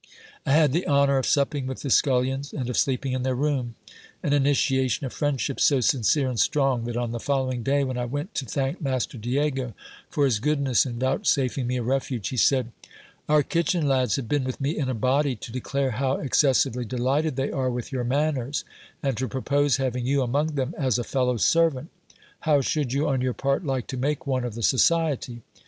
I had the honour of supping with the scullions, and of sleeping in their room ; an initiation of friendship so sincere and strong, that on the following day, when I went to thank master Diego for his goodness in vouchsafing me a refuge, he said : Our kitchen lads have been with me in a body, to declare how excessively delighted they are with your manners, and to propose having you among them as a fellow servant. How should you, on your part, like to make one of the society?